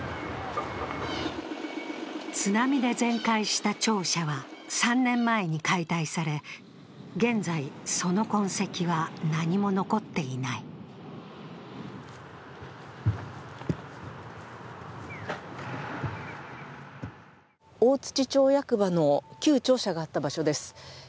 津波で全壊した庁舎は３年前に解体され現在、その痕跡は何も残っていない大槌町役場の旧庁舎があった場所です。